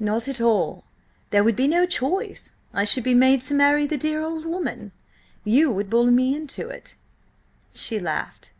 "Not at all. There would be no choice; I should be made to marry the dear old woman. You would bully me into it." She laughed.